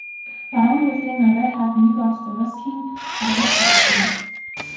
Баруун уулын орой хавьд нэг од зурсхийн харваж харагдана.